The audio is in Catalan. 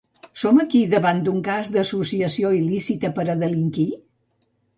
Som, aquí, davant un cas d’associació il·lícita per a delinquir?